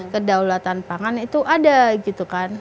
kedaulatan pangan itu ada gitu kan